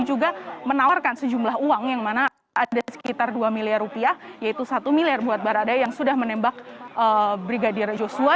dan juga ferdis samboni juga menawarkan sejumlah uang yang mana ada sekitar dua miliar rupiah yaitu satu miliar buat barada yang sudah menembak brigadir joshua